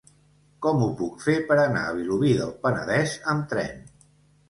Com ho puc fer per anar a Vilobí del Penedès amb tren?